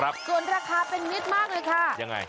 ส่วนราคาเป็นมิตรมากเลยค่ะยังไง